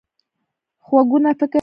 غوږونه د فکر نور خپروي